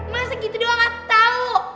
masa gitu doang gak tau